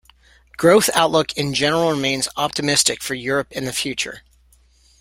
Growth outlook in general remains opimistic for Europe in the future.